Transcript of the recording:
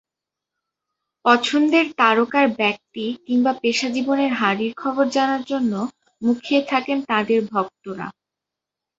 পছন্দের তারকার ব্যক্তি কিংবা পেশাজীবনের হাঁড়ির খবর জানার জন্য মুখিয়ে থাকেন তাঁদের ভক্তেরা।